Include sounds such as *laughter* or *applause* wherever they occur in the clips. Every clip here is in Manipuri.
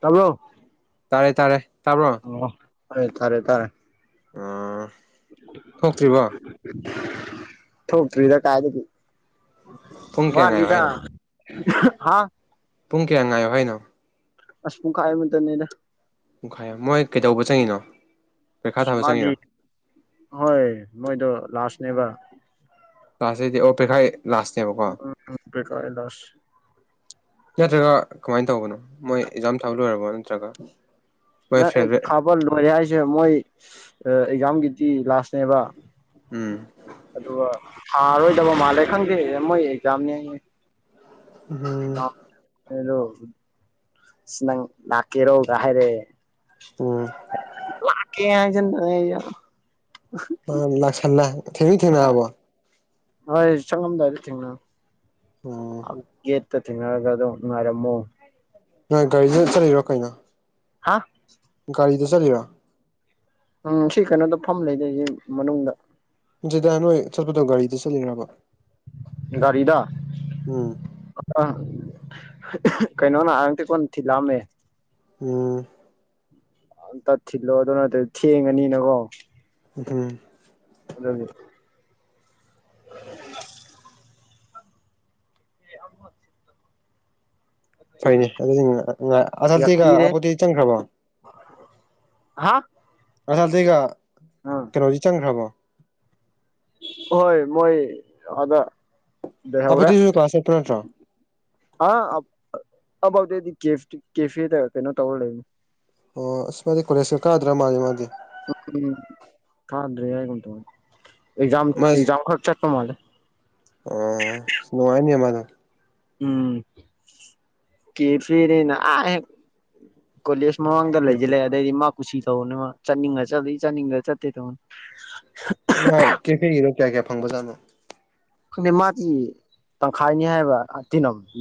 ꯇꯥꯕꯔꯣ ꯇꯥꯔꯦ ꯇꯥꯔꯦ ꯇꯥꯕ꯭ꯔꯣ ꯏꯕꯨꯉꯣ *unintelligible* ꯑꯩ ꯇꯥꯔꯦ ꯇꯥꯔꯦ ꯎꯝ ꯊꯣꯛꯇ꯭ꯔꯤꯕ ꯊꯣꯛꯇ꯭ꯔꯤꯗ ꯀꯥꯏꯗꯒꯤ ꯄꯨꯡ ꯀꯌꯥ ꯉꯥꯏꯌꯨ ꯍꯥꯏꯅꯣ ꯍꯥꯥ ꯄꯨꯡ ꯀꯌꯥ ꯉꯥꯏꯌꯣ ꯍꯥꯏꯅꯣ ꯑꯁ ꯄꯨꯡꯈꯥꯏ ꯑꯃꯨꯛ ꯇꯥꯅꯤꯗ ꯄꯨꯡꯈꯥꯏ ꯑꯃꯥ ꯃꯣꯏ ꯀꯩꯗꯧꯕ ꯆꯥꯪ ꯅꯩ ꯃꯥꯒꯤ ꯃꯥꯌꯩ ꯃꯣꯏꯗꯨ ꯂꯥꯁꯅꯦꯕ ꯂꯥꯁ ꯍꯥꯏꯗꯤ ꯑꯣ ꯄꯩꯈꯥꯏ ꯎꯝ ꯎꯝ ꯎꯝ ꯄꯩꯈ ꯂꯥꯁ ꯅꯠꯇ꯭ꯔꯒ ꯀꯃꯥꯏꯅ ꯇꯧꯕꯅꯣ ꯃꯣꯏ ꯑꯦꯛꯖꯥꯝ ꯊꯥꯕ ꯂꯣꯏꯔꯕꯣ ꯅꯠꯇ꯭ꯔꯒ ꯃꯣꯏ ꯅ ꯑꯦ ꯐꯦꯚꯔꯦꯠ ꯊꯥꯕ ꯂꯣꯏꯔꯦ ꯍꯥꯏꯁꯦ ꯃꯣꯏ ꯑꯦꯛꯖꯥꯝꯒꯤ ꯑꯦ ꯂꯥꯁꯅꯦꯕ ꯎꯝ ꯑꯗꯨꯒ ꯊꯥꯔꯑꯣ ꯇꯥꯕ ꯃꯥꯜꯂꯦ ꯈꯪꯗꯦ ꯃꯣꯏ ꯑꯦꯛꯖꯥꯝꯅꯦꯌꯦ ꯎꯝ ꯍꯂꯣ ꯁꯤ ꯅꯪ ꯂꯥꯛꯀꯦꯔꯣꯒ ꯍꯥꯏꯔꯛꯑ ꯎꯝ ꯂꯥꯛꯀꯦ ꯍꯥꯏ ꯗꯤꯃ ꯂꯦ ꯌꯥ *unintelligible* ꯄꯗꯝ ꯅꯥꯁꯟ ꯅꯥꯏ ꯊꯦꯡꯗꯤ ꯊꯦꯡꯅꯔꯕꯣ ꯑꯕꯥꯏꯁ ꯆꯉꯝꯗꯥꯏꯗ ꯊꯪꯡꯅꯕꯅꯤ *unintelligible* ꯎꯝ ꯑ ꯌꯦꯠ *unintelligible* ꯇꯥ ꯇꯪꯡꯅꯔꯒ ꯑꯗꯨꯝ ꯉꯥꯏꯔꯝꯃꯨ ꯀꯅꯥꯏ ꯒꯥꯔꯤꯗ ꯆꯠꯂꯤꯔꯣ ꯀꯩꯅꯣ ꯍꯥ ꯒꯥꯔꯤꯗ ꯆꯠꯂꯤꯔ ꯎꯝ ꯁꯤ ꯀꯩꯅꯣꯗ ꯐꯝ ꯂꯩꯗꯣꯏꯅꯤ ꯃꯅꯨꯡꯗ ꯖꯤꯗ ꯅꯣꯏ ꯆꯠꯄꯗꯣ ꯒꯥꯔꯤꯗ ꯆꯠꯂꯤꯔꯕ ꯒꯥꯔꯤꯗ ꯎꯝ ꯑ ꯀꯩꯅꯣ ꯅ ꯑꯪꯇꯤ ꯀꯣꯟ ꯊꯤꯜꯂꯛꯑꯝꯃꯦ ꯎꯝ ꯇꯠ ꯊꯤꯜꯂꯣ ꯑꯗꯨ ꯅꯠꯇ ꯊꯦꯡꯉꯅꯤꯅꯀꯣ *unintelligible* ꯑꯗꯨꯒꯤ *unintelligible* ꯐꯩꯅꯦ ꯑꯗꯨꯗꯤ ꯑꯁꯜꯇꯤꯒ ꯌꯥꯛꯄꯤꯔꯦ ꯑꯄꯣꯠꯇꯤ ꯆꯪꯈ꯭ꯔꯕꯣ ꯍꯥ ꯑꯥ *unintelligible* ꯀꯩꯅꯣꯁꯤ ꯆꯪꯈ꯭ꯔꯕꯣ ꯍꯣꯏ ꯃꯣꯏ ꯑꯗ ꯂꯩꯍꯧꯔꯦ *unintelligible* ꯅꯠꯇ꯭ꯔꯣ ꯑ ꯑꯕꯥꯎꯗꯗꯤ ꯀꯦ ꯀꯦꯐꯦꯗ ꯀꯩꯅꯣ ꯇꯧꯔ ꯂꯩ ꯑꯣ ꯑꯁ ꯃꯥꯗꯤ ꯀꯣꯂꯦꯖꯀ ꯀꯥꯗ꯭ꯔꯥ ꯃꯥꯜꯂꯤ ꯃꯥꯗꯤ *unintelligible* ꯀꯗ꯭ꯔꯦ ꯍꯥꯏꯒꯨꯝ ꯇꯧꯏ ꯃꯁ ꯃꯥꯜꯂꯦ ꯑꯣ ꯅꯨꯡꯉꯥꯏꯅꯤꯌꯦ ꯃꯥꯗꯣ ꯎꯝ ꯀꯦꯐꯦ *unintelligible* ꯀꯣꯂꯦꯁ ꯃꯃꯥꯡꯗ ꯂꯩꯖꯜꯂꯦ ꯑꯗꯩꯗꯤ ꯃꯥ ꯀꯨꯁꯤ ꯇꯧꯅꯦꯕ ꯆꯠꯅꯤꯡꯉ ꯆꯠꯂꯥ ꯆꯥꯅꯤꯡꯉ ꯆꯠꯇꯦ ꯇꯧꯅꯤ ꯃꯥ ꯀꯦꯐꯦꯒꯤꯗꯣ ꯀꯌꯥ ꯀꯌꯥ ꯐꯪꯕꯖꯥꯠꯅꯣ ꯃꯥꯗꯤ ꯇꯪꯈꯥꯏꯅꯤ ꯍꯥꯏꯕ ꯇꯤꯅꯝꯒꯤ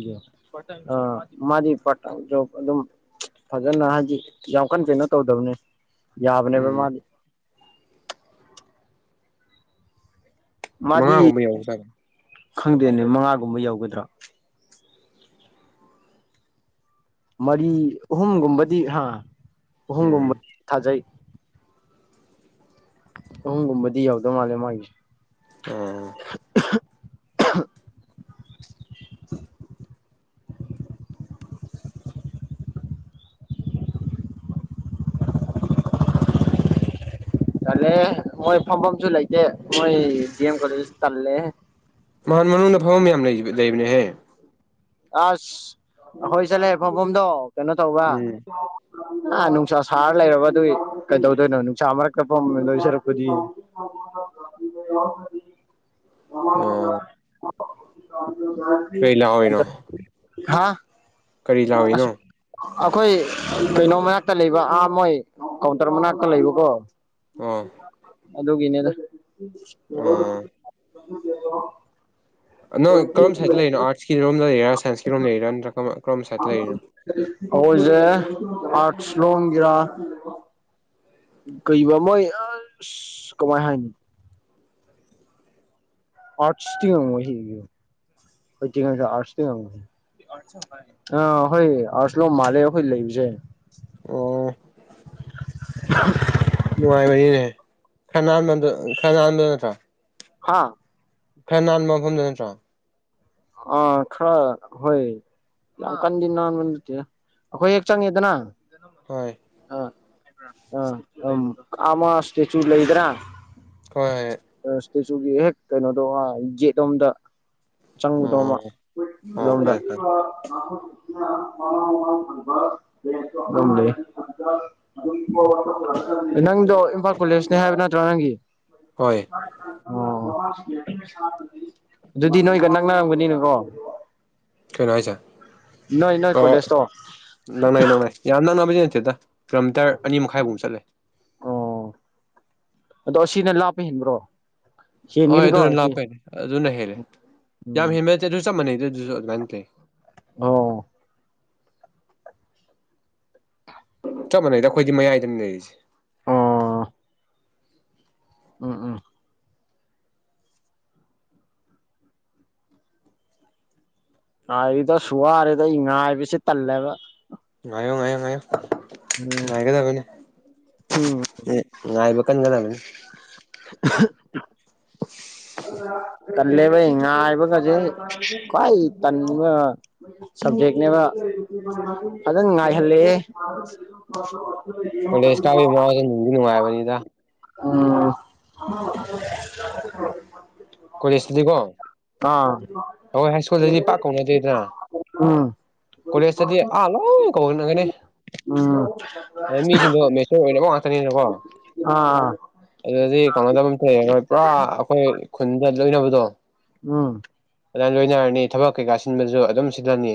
ꯃꯥꯗꯤ ꯄꯥꯠ ꯇꯥꯏ ꯖꯣꯕ ꯑꯗꯨꯝ ꯐꯖꯅ ꯍꯥꯏꯗꯤ ꯌꯥꯝ ꯀꯟ ꯀꯩꯅꯣ ꯇꯧꯗꯕꯅꯤ ꯌꯥꯕꯅꯦꯕ ꯎꯝ ꯃꯥꯗꯤ ꯃꯥꯗꯤ ꯃꯉꯥꯒꯨꯝꯕ ꯌꯧ ꯖꯥꯠꯂꯣ ꯈꯪꯗꯦꯅꯦ ꯃꯉꯥꯒꯨꯝꯕ ꯌꯧꯒꯗ꯭ꯔꯥ ꯃꯔꯤ ꯑꯍꯨꯝꯒꯨꯝꯕꯗꯤ ꯍꯥꯥ ꯑꯍꯨꯝꯒꯨꯝꯕ ꯎꯝ ꯊꯥꯖꯩ ꯑꯍꯨꯝꯒꯨꯝꯕꯗꯤ ꯌꯥꯎꯗꯧ ꯃꯥꯜꯂꯦ ꯃꯥꯒꯤꯁꯦ ꯑꯣ *unintelligible* ꯇꯜꯂꯦ ꯃꯣꯏ ꯐꯝ ꯐꯝꯁꯨ ꯂꯩꯇꯦ ꯃꯣꯏ ꯗꯦꯝ ꯀꯣꯂꯦꯖ ꯇꯜꯂꯦ ꯃꯥꯟ ꯃꯅꯨꯡꯗ ꯐꯝꯔꯝ ꯌꯥꯝ ꯂꯩ ꯂꯩꯕꯅꯦꯍꯦ ꯑꯁ ꯑꯈꯣꯏ ꯆꯠꯂꯦ ꯐꯝꯕꯝꯗꯣ ꯀꯩꯅꯣ ꯇꯧꯕ ꯎꯝ ꯑꯥ ꯅꯨꯡꯁꯥ ꯁꯥꯔ ꯂꯩꯔꯕ ꯑꯗꯨꯏ ꯀꯩꯗꯧꯗꯣꯏꯅꯣ ꯅꯨꯡꯁꯥ ꯃꯔꯛꯇ ꯐꯝ ꯂꯩꯗꯣꯏ ꯁꯔꯨꯛꯄꯨꯗꯤ ꯑꯣ *unintelligible* *unintelligible* ꯀꯩ ꯂꯥꯛꯑꯣꯏꯅꯣ ꯎꯟꯇ ꯍꯥꯥ ꯀꯔꯤ ꯆꯧꯔꯤꯏꯅꯣ ꯑꯩꯈꯣꯏ ꯀꯩꯅꯣ ꯃꯅꯥꯛꯇ ꯂꯩꯕ ꯑꯥ ꯃꯣꯏ ꯀꯥꯎꯟꯇꯔ ꯃꯅꯥꯛꯇ ꯂꯩꯕꯀꯣ ꯑꯣ ꯑꯗꯨꯒꯤꯅꯤꯗꯥ ꯑꯣ *inaudible* *inaudible* ꯅꯪ ꯀꯔꯝ ꯁꯥꯏꯗ ꯂꯩꯔꯤꯅꯣ ꯑꯔꯠꯀꯤꯝ ꯂꯩꯔꯥ ꯁꯥꯏꯟꯁꯀꯤ ꯔꯣꯝ ꯂꯩꯔꯥ ꯅꯠꯇ꯭ꯔ ꯀꯔꯣꯝ ꯁꯥꯏꯇꯥ ꯂꯩꯔꯤꯅꯣ ꯑꯣꯖꯏꯖꯦ ꯑꯥꯠꯁ ꯂꯣꯡꯒꯔꯥ ꯀꯩ ꯃꯣꯏ ꯑꯁ ꯀꯃꯥꯏ ꯍꯥꯏꯅꯤ ꯑꯥꯔꯠꯁꯇꯤ ꯉꯝꯉꯣꯏ ꯑꯥꯇꯣꯏ ꯑꯥ ꯑꯩꯈꯣꯏ ꯑꯥꯔꯠꯁ ꯂ ꯃꯥꯜꯂꯦ ꯑꯩꯈꯣꯏ ꯂꯩꯕꯁꯦ ꯑꯣ *inaudible* ꯅꯨꯡꯉꯥꯏꯕꯅꯤꯅꯦ ꯈꯅꯥ ꯈꯔꯅꯥꯟꯗ ꯅꯠꯇ꯭ꯔ ꯍꯥꯥ ꯈꯔꯥ ꯅꯥꯟꯕ ꯃꯐꯝꯗ ꯅꯠꯇ꯭ꯔꯣ ꯑꯥ ꯈꯔ ꯍꯣꯏ ꯌꯥꯝ ꯀꯟꯗꯤ ꯅꯥꯟꯕꯗꯤ ꯅꯠꯇꯦꯗ ꯑꯩꯈꯣꯏ ꯍꯦꯛ ꯆꯪꯉꯦꯗꯅ ꯍꯣꯏ ꯑ ꯎ ꯑꯃ ꯁꯇꯦꯆꯨ ꯂꯩꯗꯅ ꯍꯣꯏꯏ ꯁꯇꯨꯁꯒꯤ ꯍꯦꯛ ꯀꯩꯅꯣ ꯇꯧꯕ ꯌꯦꯠꯂꯣꯝꯗ ꯆꯪꯕꯗꯣ ꯑꯃꯥ ꯑꯣ ꯑꯣ ꯑꯗꯣꯝꯗ ꯐꯔꯦ ꯐꯔꯦ ꯑꯗꯨꯝ ꯂꯩꯇꯦ ꯅꯪꯗꯣ ꯏꯝꯐꯥꯜ ꯀꯤꯜꯂꯦꯒ ꯅꯤ ꯍꯥꯏꯕ ꯅꯠꯇ꯭ꯔꯣ ꯅꯪꯒꯤ ꯍꯣꯏ ꯑꯣ ꯑꯗꯨꯗꯤ ꯅꯣꯏꯒ ꯅꯥꯛꯅ ꯅꯥꯛ ꯅꯥꯔꯝꯒꯅꯤ ꯀꯦ ꯀꯣꯏꯁ ꯑꯣ ꯀꯣꯂꯦꯖꯇꯣ ꯅꯪꯅꯥꯏ ꯅꯪꯅꯥꯏ ꯌꯥꯝ ꯅꯪꯅꯕꯁ ꯅꯠꯇꯦꯗ ꯀꯤꯂꯣꯃꯤꯇꯔ ꯑꯅꯤ ꯃꯈꯥꯏꯐꯧꯛ ꯆꯠꯂꯦ ꯑꯣ ꯑꯗꯣ ꯑꯁꯤꯅ ꯂꯥꯞꯄ ꯍꯦꯟꯕ꯭ꯔꯣ ꯍꯣꯏ ꯍꯦꯟꯒꯅꯤꯀꯣ ꯑꯗꯨ ꯑꯁꯤ ꯂꯥꯛꯄꯦꯅꯦ ꯑꯗꯨ ꯍꯦꯂꯦ ꯌꯥꯝ ꯎꯝ ꯍꯦ ꯆꯠ ꯑꯗꯨ ꯆꯞ ꯃꯑꯅꯦ ꯑꯗꯨꯖꯤ ꯃꯅꯦꯗ ꯑꯗꯨꯁꯨ ꯅꯇꯦ ꯑꯣ ꯆꯞ ꯃꯥꯟꯅꯩꯗ ꯑꯩꯈꯣꯏꯗꯤ ꯃꯌꯥꯏꯗꯅꯤ ꯂꯩꯔꯤꯁꯦ ꯑꯣ ꯎꯝ ꯎꯝ ꯉꯥꯏꯔꯤꯗ ꯑꯁ ꯋꯥꯔꯦꯗ ꯑꯩ ꯉꯥꯢꯕꯁꯦ ꯇꯜꯂꯦꯕ ꯉꯏꯌꯣ ꯉꯏꯌꯣ ꯉꯏꯌꯣ ꯎꯝ ꯉꯥꯏꯒꯗꯕꯅꯦ ꯉꯥꯏꯕ ꯀꯟꯒꯗꯕꯅꯤ ꯑ ꯇꯟꯂꯦꯕ ꯑꯩ ꯉꯥꯏꯕꯒꯁꯦ ꯈ꯭ꯋꯥꯏ ꯇꯟꯕ ꯁꯕꯖꯦꯛꯅꯦꯍꯦ ꯐꯖꯅ ꯉꯥꯏꯍꯜꯂꯦꯍꯦ ꯀꯣꯂꯦꯖ ꯀꯕꯩ ꯋꯥꯕꯗꯣ ꯅꯨꯡꯗꯤ ꯅꯨꯡ ꯉꯏꯕꯅꯤꯗ ꯑ ꯀꯣꯂꯦꯖꯇꯗꯤꯀꯣ ꯑꯩꯈꯣꯏ ꯍꯥꯏ ꯁ꯭ꯀꯨꯜꯗꯗꯤ ꯄꯥꯛ ꯀꯧꯅꯗꯦꯗꯅ ꯎꯝ ꯀꯣꯂꯦꯖꯇꯗꯤ ꯑꯥ ꯂꯣꯏ ꯀꯧꯅꯒꯅꯤ ꯎꯝ ꯑꯗ ꯃꯤꯁꯤꯡꯗꯣ ꯃꯦꯆꯣꯔ ꯑꯣꯏꯅꯕ ꯉꯥꯛꯇꯅꯤꯅꯀꯣ ꯑꯥ ꯑꯗꯨꯗꯗꯤ ꯀꯩꯅꯗꯕ ꯑꯃꯇ ꯂꯩꯔꯔꯣꯏ ꯄꯨꯔꯥ ꯑꯩꯈꯣꯏ ꯈꯨꯟꯗ ꯂꯣꯏꯅꯕꯗꯣ ꯎꯝ ꯑꯗꯨꯅ ꯂꯣꯏꯅꯔꯅꯤ ꯊꯕꯛ ꯀꯩꯀꯥ ꯁꯤꯟꯕꯁꯨ ꯑꯗꯨꯝ ꯁꯤꯜꯂꯅꯤ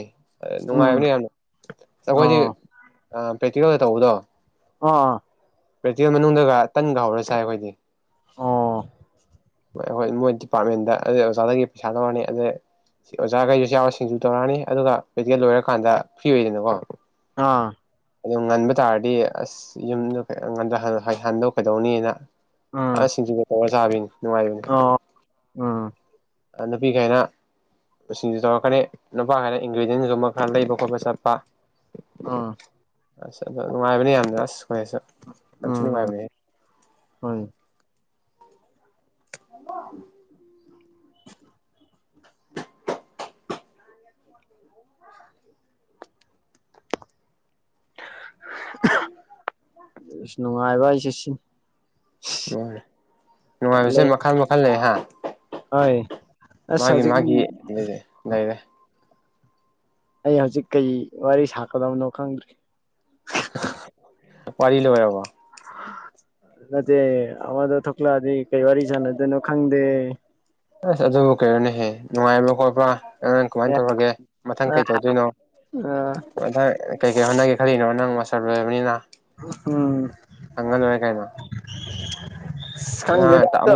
ꯎꯝ ꯅꯨꯡꯉꯥꯏꯕꯅꯤ ꯌꯥꯝꯅ ꯑꯩꯈꯣꯏꯗꯤ ꯑꯣ ꯑ ꯄ꯭ꯔꯦꯛꯇꯤꯀꯦꯜꯗ ꯇꯧꯕꯗꯣ ꯑꯥ ꯄ꯭ꯔꯦꯛꯇꯤꯀꯦꯜ ꯃꯅꯨꯡꯗꯒ ꯇꯟꯒ ꯍꯧꯔ ꯆꯥꯏ ꯑꯩꯈꯣꯏꯗꯤ ꯑ ꯑꯩꯈꯣꯏ ꯃꯣꯏ ꯗꯤꯄꯥꯔꯠꯃꯦꯟꯗ ꯑꯗꯩ ꯑꯣꯖꯥꯗꯒꯤ ꯄꯩꯁꯥ ꯂꯧꯔꯅꯤ ꯑꯗꯩ ꯑꯣꯖꯥꯈꯩꯁꯨ ꯌꯥꯎꯔ ꯁꯤꯡꯖꯨ ꯇꯧꯔꯛꯑꯅꯤ ꯑꯗꯨꯒ ꯄ꯭ꯔꯇꯤꯀꯦꯜ ꯂꯣꯏꯔꯀꯥꯟꯗ ꯐ꯭ꯔꯤ ꯑꯣꯏꯗꯅꯀꯣ ꯑꯥ ꯑꯗꯨ ꯉꯟꯕ ꯇꯥꯔꯗꯤ ꯑꯁ ꯌꯨꯝꯗꯣ ꯍꯟꯅ ꯍꯥꯜꯂ ꯀꯩꯗꯧꯅꯤꯅ ꯑ ꯁꯤꯡꯖꯨꯒ ꯇꯧꯔ ꯥꯆꯕꯤꯅꯤ ꯅꯨꯡꯉꯥꯏꯕꯅꯤ ꯑ ꯎꯝ ꯅꯨꯄꯤꯈꯩꯅ ꯁꯤꯡꯁꯨ ꯇꯧꯔꯛꯀꯅꯤ ꯅꯨꯄꯥꯈꯩꯅ ꯏꯟꯒ꯭ꯔꯤꯗꯤꯌꯦꯟꯁꯒꯨꯝꯕ ꯈꯔ ꯂꯩꯕ ꯈꯣꯠꯄ ꯆꯠꯄ ꯑꯥ ꯅꯨꯡꯉꯥꯏꯕꯅꯤ ꯌꯥꯝꯅ ꯑꯁ ꯍꯣꯏ ꯌꯥꯝꯊꯤ ꯎꯝ ꯎꯝ ꯅꯨꯡꯉꯥꯏꯕꯅꯦ ꯍꯣꯏ ꯍꯃꯣ *inaudible* *unintelligible* ꯅꯨꯡꯉꯥꯏꯕ ꯍꯥꯏꯁꯦ ꯁꯤ ꯍꯣꯏ ꯇꯜꯂꯦ ꯅꯨꯡꯉꯥꯏꯕꯁꯦ ꯃꯈꯜ ꯃꯈꯜ ꯂꯩ ꯍꯥꯏ ꯍꯣꯏ ꯍꯧꯖꯤꯛ ꯃꯥꯒꯤ ꯂꯩꯖꯦ ꯂꯩꯔꯦ ꯑꯩ ꯍꯧꯖꯤꯛ ꯀꯩ ꯋꯥꯔꯤ ꯁꯥꯀꯗꯕꯅꯣ ꯈꯪꯗ꯭ꯔꯦ *inaudible* ꯋꯔꯤ ꯂꯣꯏꯔꯕꯣ ꯅꯠꯇꯦ ꯑꯃꯗꯣ ꯊꯣꯛꯂꯛ ꯑꯗꯤ ꯀꯩ ꯋꯥꯔꯤ ꯁꯥꯟꯅꯗꯣꯏꯅꯣ ꯈꯪꯗꯦ꯫ ꯑꯁ ꯑꯗꯨꯕꯨ ꯀꯩꯅꯣꯅꯦꯍꯦ ꯅꯨꯡꯉꯥꯏꯕ꯭ꯔꯥ ꯈꯣꯠꯄ꯭ꯔꯥ꯫ ꯅꯪ ꯀꯃꯥꯏꯅ ꯑ ꯇꯧꯔꯒꯦ ꯃꯊꯪ ꯀꯩ ꯇꯧꯗꯣꯏꯅꯣ ꯎꯝ ꯃꯊꯪ ꯀꯩꯀꯩ ꯍꯣꯠꯅꯒꯦ ꯈꯜꯂꯤꯅꯣ ꯅꯪ ꯃꯥꯁ ꯔꯣꯏꯔꯕꯅꯤꯅ꯫ ꯍꯪ ꯉ ꯂꯣꯏꯔꯦ ꯀꯩꯅꯣ꯫ ꯑꯁ ꯅꯪ ꯈꯪꯗꯦꯗ ꯑꯝꯇ ꯑꯗꯣ꯫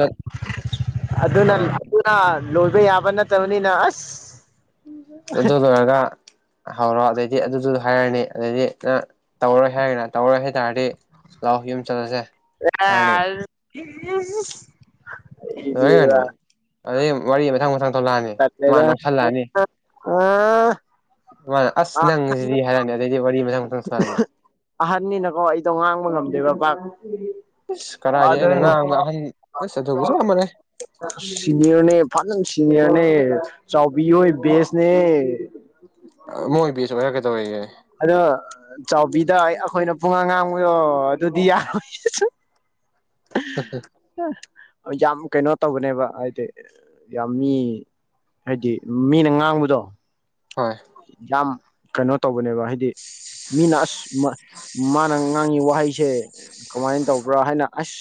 ꯑꯗꯨꯅ ꯑꯥ *unintelligible* ꯑꯗꯨꯅ꯫ ꯂꯣꯏꯕ ꯌꯥꯕ ꯅꯠꯇꯕꯅꯤ ꯅ ꯑꯁ꯫ ꯑꯗꯨ ꯂꯣꯏꯔꯒ꯫ ꯍꯧꯔꯣ ꯑꯗꯩꯗꯤ ꯑꯗꯨꯗꯨ ꯍꯥꯏꯔꯅꯤ ꯑꯗꯩꯗꯤ ꯅꯪ ꯇꯧꯔꯣꯏ ꯍꯥꯏꯔꯒꯅ ꯇꯧꯔꯣꯏ ꯍꯥꯏꯇꯥꯔꯗꯤ꯫ ꯂꯥꯛꯑꯣ ꯌꯨꯝ ꯆꯠꯂꯁꯦ ꯍꯥꯏꯔꯅꯤ꯫ *unintelligible* ꯑꯩꯗꯤꯕ꯫ ꯑꯗꯨꯗꯩ ꯋꯥꯔꯤ ꯃꯊꯪ ꯃꯊꯪ꯫ ꯊꯣꯛꯂꯛꯑꯅꯤ ꯃꯥ ꯅꯣꯛꯁꯜꯂꯛꯑꯅꯤ꯫ ꯑꯥ꯫ ꯃꯥꯅ ꯑꯁ ꯅꯪꯁꯤꯗꯤ ꯍꯥꯏꯔꯛꯑꯅꯤ ꯑꯗꯨꯗꯩꯗꯤ ꯋꯥꯔꯤ ꯃꯊꯪ ꯃꯊꯪ ꯁꯥꯔꯅꯤ꯫ ꯑꯍꯟꯅꯤꯅꯀꯣ ꯑꯩꯗꯣ ꯉꯥꯡꯕ ꯉꯝꯗꯦꯕ ꯄꯥꯛ꯫ ꯑꯁ ꯀꯗꯥꯏꯗꯩ ꯑꯩꯅ ꯑꯥꯗꯩ ꯉꯥꯡꯕ ꯑꯍꯟ ꯑꯁ ꯑꯗꯨꯕꯨ ꯆꯞ ꯃꯥꯟꯅꯩ ꯁꯤꯅꯤꯌꯔꯅꯦ ꯐꯖꯅ ꯁꯤ ꯁꯤꯅꯤꯌꯔꯅꯦ ꯆꯥꯎꯕꯤꯑꯣꯏ ꯕꯦꯁꯅꯦ꯫ ꯃꯣꯏ ꯕꯦꯁ ꯑꯣꯏꯔꯒ꯫ *unintelligible* ꯑꯗꯣ ꯆꯥꯎꯕꯤꯗ ꯑꯩꯈꯣꯏꯅ ꯄꯨꯡꯉꯥꯡ ꯉꯥꯡꯕꯗꯣ ꯑꯗꯨꯗꯤ ꯌꯥꯔꯣꯏ꯫ *unintelligible* ꯌꯥꯝ ꯀꯩꯅꯣ ꯇꯧꯕꯅꯦꯕ ꯍꯥꯏꯗꯤ ꯌꯥꯝ ꯃꯤ ꯍꯥꯏꯗꯤ ꯃꯤꯅ ꯉꯥꯡꯕꯗꯣ꯫ ꯍꯣꯏ ꯌꯥꯝ꯫ ꯀꯩꯅꯣ ꯇꯧ ꯕꯅꯦꯕ ꯍꯥꯏꯗꯤ ꯃꯤꯅ ꯑꯁ꯫ ꯃ ꯃꯥꯅ꯫ ꯑꯉꯥꯡꯉꯤ ꯋꯥꯍꯩꯁꯦ ꯀꯃꯥꯏꯅ ꯇꯧꯕ꯭ꯔꯥ ꯍꯥꯏꯅ ꯑꯁ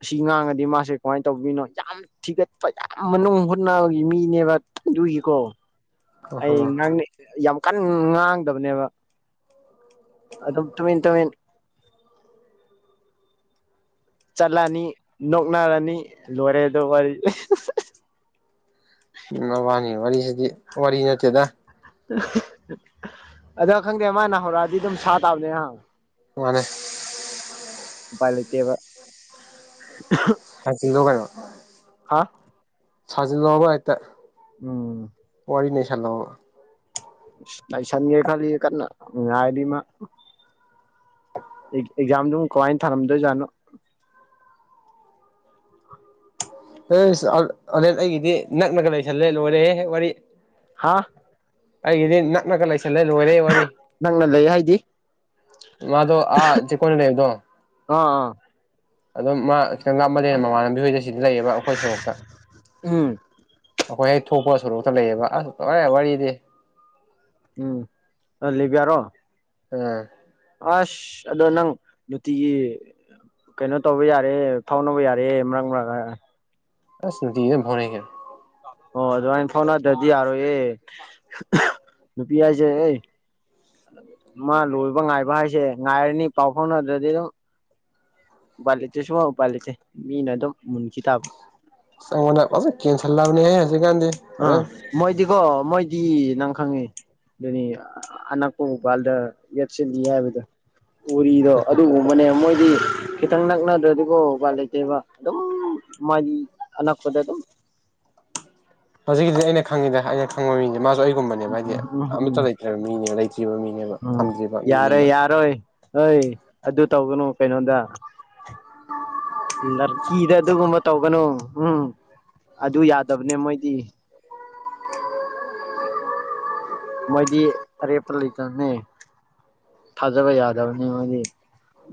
ꯑꯁꯤ ꯉꯥꯡꯉꯗꯤ ꯃꯥꯁꯦ ꯀꯃꯥꯏꯅ ꯇꯧꯕꯤꯅꯣ ꯌꯥꯝ ꯊꯤꯒꯠꯄ ꯌꯥꯝ ꯃꯅꯨꯡ ꯍꯨꯠꯅꯒꯤ ꯃꯤꯅꯦꯕ ꯑꯗꯨꯒꯤꯀꯣ꯫ ꯑꯣ ꯍꯣ꯫ ꯑꯩ ꯉꯥꯡꯅ ꯌꯥꯝ ꯀꯟ ꯉꯥꯡꯗꯕꯅꯦꯕ꯫ ꯑꯗꯨꯝ ꯇꯨꯃꯤꯟ ꯇꯨꯃꯤꯟ꯫ ꯆꯠꯂꯅꯤ ꯅꯣꯛꯅꯔꯅꯤ ꯂꯣꯏꯔꯦꯗꯣ ꯋꯥꯔꯤ ꯎꯝ ꯃꯕꯅꯤ ꯋꯥꯔꯤꯁꯤꯗꯤ ꯋꯥꯔꯤ ꯅꯠꯇꯦꯗ *unintelligible* ꯑꯗꯣ ꯈꯪꯗꯦ ꯃꯥꯅ ꯍꯧꯔꯛꯑꯗꯤ ꯑꯗꯨꯝ ꯁꯥ ꯇꯥꯕꯅꯦ ꯅꯍ ꯃꯥꯅꯦ ꯎꯄꯥꯏ ꯂꯩꯇ‌ꯦꯕ ꯂꯥꯛꯆꯤꯜꯂ‌ꯣ ꯀꯩꯅ‌ꯣ ꯁꯥꯖꯤꯜꯂ‌ꯣꯕꯕ ꯍꯥꯏꯇ ꯎꯝ ꯈꯂꯣ ꯂꯥꯏꯁꯟꯒꯦ ꯈꯜꯂꯤ ꯀꯟꯅ ꯅꯨꯡꯉꯥꯏꯔꯤꯃ ꯑꯦꯛꯖꯥꯝꯗꯨ ꯀꯃꯥꯏꯅ ꯊꯥꯔꯝꯗꯣꯏꯖꯥꯠꯅꯣ ꯑꯂ ꯑꯩꯒꯤꯗꯤ ꯅꯛꯅꯒ ꯂꯩꯁꯜꯂꯦ ꯂꯣꯏꯔꯦ ꯋꯥꯔꯤ ꯍꯥꯥ ꯑꯩꯒꯤꯗꯤ ꯅ ꯅꯛꯂꯒ ꯂꯩꯁꯜꯂꯦ ꯂꯣꯏꯔꯦ ꯋꯥꯔꯤ ꯅꯪꯅ ꯂꯩ ꯍꯥꯏꯗꯤ ꯃꯥꯗꯣ ꯑꯥ ꯆꯤꯀꯣꯅ ꯂꯩꯕꯗꯣ ꯑꯥ ꯑꯥ ꯑꯗꯨꯝ ꯃꯥ ꯈꯤꯇꯪ ꯂꯥꯞꯃꯜꯗꯦ ꯃꯃꯥꯟ ꯂꯝꯕꯤ ꯍꯣꯏꯗ ꯁꯤꯗꯤ ꯂꯩꯌꯦꯕ ꯑꯩꯈꯣꯏ ꯁꯣꯔꯣꯛꯇ ꯎꯝ ꯑꯩꯈꯣꯏ ꯍ ꯊꯣꯛꯄ ꯁꯣꯔꯣꯛꯇ ꯂꯩꯌꯦꯕ ꯑꯁ ꯂ‌ꯣꯏꯔ‌ꯦ ꯋꯥꯔꯤꯗꯤꯦ ꯎꯝ ꯑ ꯂꯩꯕꯤꯌꯥꯔꯣ ꯑꯥ ꯑꯁ ꯑꯗꯣ ꯅꯪ ꯅꯨꯡꯇꯤꯒꯤ ꯀꯩꯅꯣ ꯇꯧꯕ ꯌꯥꯔꯦ ꯐꯥꯎꯅꯕ ꯌꯥꯔꯦ ꯃꯔꯛ ꯃꯔꯛ ꯑꯁ ꯅꯨꯡꯇꯤꯒꯤꯗꯤ ꯑꯗꯨꯝ ꯐꯥꯎꯅꯩ‌ ꯀꯩꯅ‌ꯣ ꯑꯣ ꯑꯗꯨꯃꯅ ꯐꯥꯎꯅꯗ꯭ꯔꯗꯤ ꯌꯥꯔꯣꯏ ꯑꯦ ꯅꯨꯄꯤ ꯍꯥꯏꯁꯦ ꯑꯩ ꯃꯥ ꯂꯣꯏꯕ ꯉꯥꯏꯕ ꯍꯥꯏꯁꯦ ꯉꯥꯏꯔꯅꯤ ꯄꯥꯎ ꯐꯥꯎꯅꯗ꯭ꯔꯗꯤ ꯑꯗꯨꯝ ꯄꯂ ꯆꯁꯨꯃ ꯄꯂꯁꯦ ꯃꯤꯅ ꯑꯗꯨꯝ ꯃꯨꯟꯈꯤ ꯇꯥꯕ *unintelligible* *unintelligible* ꯍꯧꯖꯤꯛꯀꯥꯟꯗꯤ ꯑꯥ ꯐꯔ‌ꯦ ꯃꯣꯏꯗꯤꯀꯣ ꯃꯣꯏꯗꯤ ꯅꯪ ꯈꯪꯉꯤ ꯑꯗꯨꯅꯤ ꯑꯅꯛꯄ ꯃꯧꯄꯥꯜꯗ ꯌꯦꯞꯁꯤꯜꯂꯤ ꯍꯥꯏꯕꯗꯣ ꯎꯔꯤꯗꯣ ꯑꯗꯨ ꯎꯨꯝꯕꯅꯦ ꯃꯣꯏ ꯍꯥꯏꯗꯤ ꯈꯤꯇꯪ ꯅꯛꯅꯗ꯭ꯔꯗꯤꯀꯣ ꯎꯄ ꯂꯩꯇꯦꯕ ꯑꯗꯨꯝ ꯃꯥꯒꯤ ꯑꯅꯛꯄꯗ ꯑꯗꯨꯝ ꯍꯧꯖꯤꯛꯀꯤꯗꯤ ꯑꯩꯅ ꯈꯪꯉꯤꯗ ꯑꯩꯅ ꯈꯪꯕ ꯃꯤꯁꯦ ꯃꯥꯁꯨ ꯑꯩ ꯨꯝꯕꯅꯦꯕ ꯍꯥꯏꯗꯤ ꯎꯝ ꯎꯝ ꯎꯝ ꯑꯃꯠꯇ ꯂꯩꯇ ꯃꯤꯅꯦ ꯂꯩꯇ꯭ꯔꯤꯕ ꯃꯤꯅꯦꯕ ꯎꯝ ꯊꯝꯗ꯭ꯔꯤꯕ ꯌꯥꯔꯣꯏ ꯃꯤꯅꯦꯕ ꯌꯥꯔꯣꯏ ꯍꯣꯏ ꯑꯗꯨ ꯇꯧꯒꯅꯨ ꯀꯩꯅꯣꯗ ꯂꯔꯀꯤꯗ ꯑꯗꯨꯒꯨꯝꯕ ꯇꯧꯒꯅꯨ ꯎꯝ ꯑꯗꯨ ꯌꯥꯗꯕꯅꯦ ꯃꯣꯏꯗꯤ ꯃꯣꯏꯗꯤ ꯑꯔꯦ ꯄꯂꯤꯇꯅꯦ ꯊꯥꯖꯕ ꯌꯥꯗꯕꯅꯤ ꯃꯣꯏꯗꯤ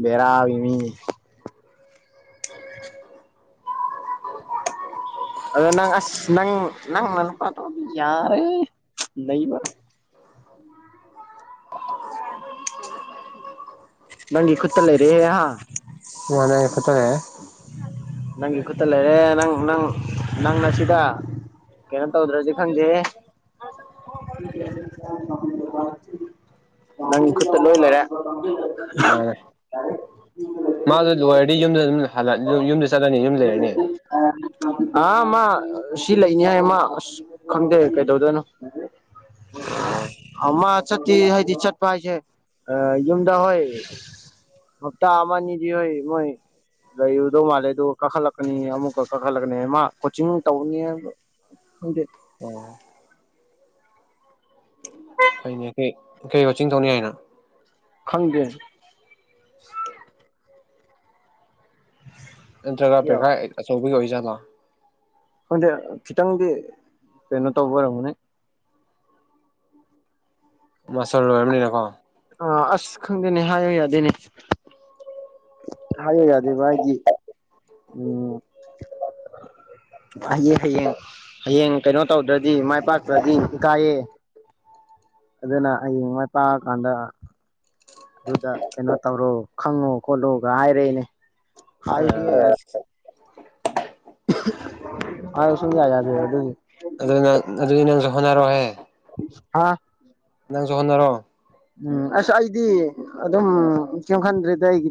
ꯕꯦꯔꯥꯒꯤ ꯃꯤꯅꯤ ꯑ ꯅꯪ ꯑꯁ ꯅꯪ ꯅꯪꯅ ꯄꯠꯇꯣ ꯌꯥꯔꯦ ꯂꯩꯕ ꯅꯪꯒꯤ ꯈꯨꯠꯇ ꯂꯩꯔꯤꯦꯦ ꯑꯠꯇꯦ ꯅꯪꯒꯤ ꯈꯨꯠꯇ ꯂꯩꯔꯦ ꯅꯪ ꯅꯪ ꯅꯪꯅ ꯁꯤꯗ ꯀꯩꯅꯣ ꯇꯧꯗ꯭ꯔꯁꯦ ꯈꯪꯗꯦ ꯅꯪꯒꯤ ꯈꯨꯠꯇ ꯂꯣꯏ ꯂꯩꯔꯦ ꯃꯥꯗꯨ ꯂꯣꯏꯔꯗꯤ ꯌꯨꯝꯗ ꯑꯗꯨꯝ ꯌꯨꯝꯗ ꯆꯠꯂꯅꯤ ꯌꯨꯝ ꯂꯩꯔꯅꯤ ꯑꯥ ꯃꯥ ꯁꯤ ꯂꯩꯅꯤ ꯍꯥꯏ ꯑꯃ ꯑꯁ ꯈꯪꯗꯦ ꯀꯩꯗꯧꯗꯣꯏꯅꯣ ꯑꯥ ꯑꯃ ꯆꯠꯇꯤ ꯍꯥꯏꯗꯤ ꯆꯠꯄ ꯍꯥꯏꯁꯦ ꯌꯨꯝꯗ ꯍꯣꯏ ꯍꯞꯇꯥ ꯑꯃꯅꯤ ꯑꯅꯤꯗꯤ ꯍꯣꯏ ꯃꯣꯏ ꯂꯩꯔꯗꯧ ꯃꯥꯜꯂꯦ ꯑꯗꯨꯒ ꯀꯥꯈꯠꯂꯛꯀꯅꯤ ꯑꯃꯨꯛꯀ ꯀꯥꯈꯠꯂꯛꯀꯅꯤ ꯃꯥ ꯀꯣꯆꯤꯡ ꯇꯧꯅꯤ ꯍꯥꯏꯕ ꯈꯪꯗꯦ ꯑꯣ ꯑꯩꯅꯦ ꯀ ꯀꯩ ꯆꯤꯡ ꯊꯧꯅꯤ ꯍꯥꯏꯅ ꯈꯪꯒ ꯖꯒꯥ ꯄꯦ ꯌꯥ ꯑꯆꯧꯕ ꯑꯣꯏ ꯆꯂ ꯍꯣꯏꯗꯤ ꯈꯤꯇꯪꯗꯤ ꯀꯩꯅꯣ ꯇꯧꯕ ꯑꯣꯏꯔꯝꯒꯅꯦ ꯃꯁꯇꯔ ꯂꯣꯏꯔꯕꯅꯤꯅꯀꯣ ꯑ ꯑꯁ ꯈꯪꯗꯦꯅꯦ ꯍꯥꯏꯌꯨ ꯌꯥꯗꯦꯅꯦ ꯍꯥꯏꯌ ꯌꯥꯗꯦꯕ ꯍꯥꯏꯗꯤ ꯎꯝ ꯍꯌꯦꯡ ꯍꯌꯦꯡ ꯍꯌꯦꯡ ꯀꯩꯅꯣ ꯇꯧꯗ꯭ꯔꯗꯤ ꯃꯥꯏ ꯄꯥꯛꯇ꯭ꯔꯗꯤ ꯏꯀꯥꯏꯌꯦꯦ ꯑꯗꯨꯅ ꯍꯌꯦꯡ ꯃꯥꯏ ꯄꯥꯛꯑꯀꯥꯟꯗ ꯑꯗꯨꯗ ꯀꯩꯅꯣ ꯇꯧꯔꯣ ꯈꯪꯉꯣ ꯈꯣꯠꯂꯣꯒ ꯍꯥꯏꯔꯦꯑꯦꯅꯦ ꯑꯁ ꯑ ꯁꯖ ꯌꯥꯗ ꯑꯗꯨ ꯑꯗꯨ ꯅꯪ ꯑꯗꯨꯗꯤ ꯅꯪꯁꯨ ꯍꯣꯠꯅꯔꯣꯍꯦ ꯍꯥ ꯅꯪꯖꯨ ꯍꯣꯠꯅꯔꯣ ꯎꯝ ꯑꯁ ꯑꯩꯗꯤ ꯑꯗꯨꯝ ꯀꯦꯏꯝ ꯈꯟꯗ꯭ꯔꯦꯗ ꯑꯩꯒꯤꯗꯤ